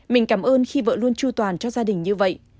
mình cảm ơn khi vợ luôn chu toàn cho gia đình như vậy